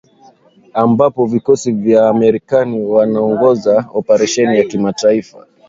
ambapo vikosi vya marekani vinaongoza oparesheni ya kimataifa